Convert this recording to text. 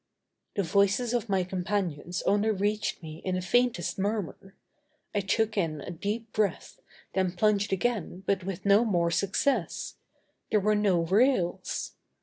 The voices of my companions only reached me in the faintest murmur. I took in a deep breath, then plunged again but with no more success. There were no rails!